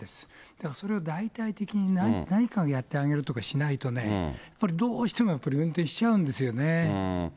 だからそれを代替的に何かをやってあげるとかしないとね、どうしてもやっぱり運転しちゃうんですよね。